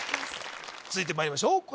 続いてまいりましょう